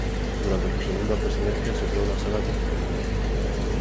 Durante su segunda presidencia se creó la Sala Constitucional.